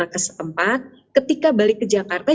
kesempat ketika balik ke jakarta